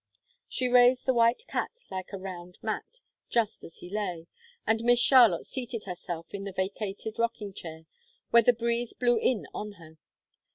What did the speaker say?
She raised the white cat like a round mat, just as he lay, and Miss Charlotte seated herself in the vacated rocking chair where the breeze blew in on her.